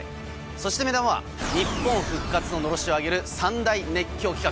そして目玉は日本復活ののろしを上げる３大熱狂企画！